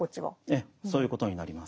ええそういうことになります。